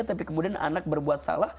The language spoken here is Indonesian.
tapi kemudian anak berbuat salah